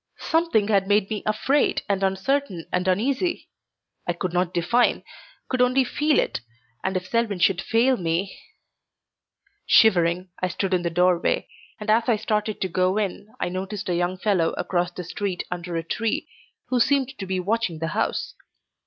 Something had made me afraid and uncertain and uneasy. I could not define, could only feel it, and if Selwyn should fail me Shivering, I stood in the doorway, and as I started to go in I noticed a young fellow across the street under a tree, who seemed to be watching the house.